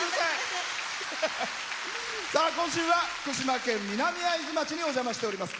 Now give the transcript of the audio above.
今週は福島県南会津町にお邪魔しております。